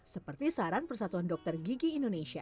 seperti saran persatuan dokter gigi indonesia